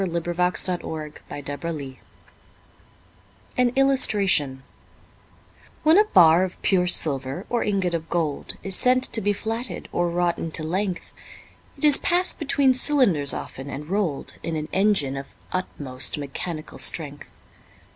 William Cowper The Flatting Mill An Illustration WHEN a bar of pure silver or ingot of gold Is sent to be flatted or wrought into length, It is pass'd between cylinders often, and roll'd In an engine of utmost mechanical strength.